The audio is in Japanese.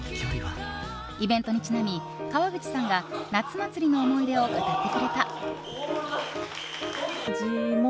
イベントにちなみ、川口さんが夏祭りの思い出を語った。